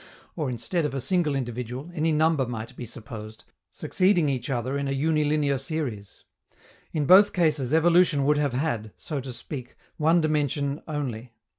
Or, instead of a single individual, any number might be supposed, succeeding each other in a unilinear series. In both cases evolution would have had, so to speak, one dimension only.